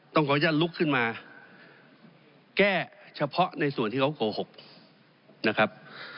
ขออนุญาตลุกขึ้นมาแก้เฉพาะในส่วนที่เขาโกหกนะครับ